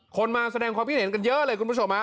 มาแสดงความคิดเห็นกันเยอะเลยคุณผู้ชมฮะ